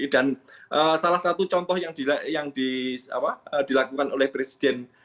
dan salah satu contoh yang dilakukan oleh presiden